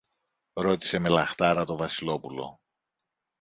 ρώτησε με λαχτάρα το Βασιλόπουλο.